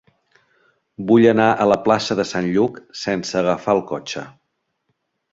Vull anar a la plaça de Sant Lluc sense agafar el cotxe.